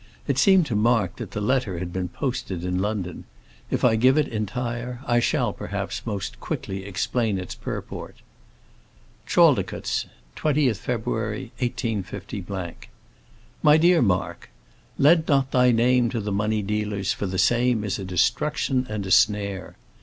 It seemed to Mark that the letter had been posted in London. If I give it entire, I shall, perhaps, most quickly explain its purport: Chaldicotes, 20th February, 185 . MY DEAR MARK, "Lend not thy name to the money dealers, for the same is a destruction and a snare."